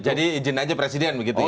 jadi izin aja presiden begitu ya